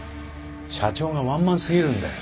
社長がワンマンすぎるんだよ。